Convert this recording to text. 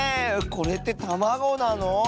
これってたまごなの？